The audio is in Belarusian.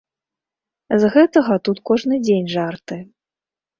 З гэтага тут кожны дзень жарты.